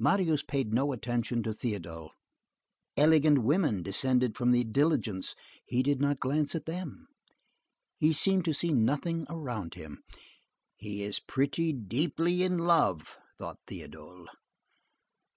Marius paid no attention to Théodule. Elegant women descended from the diligence; he did not glance at them. He seemed to see nothing around him. "He is pretty deeply in love!" thought Théodule.